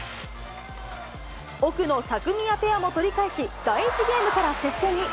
奥のサクミヤペアも取り返し、第１ゲームから接戦に。